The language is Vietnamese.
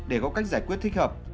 để có cách giải quyết thích hợp